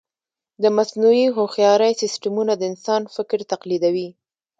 د مصنوعي هوښیارۍ سیسټمونه د انسان فکر تقلیدوي.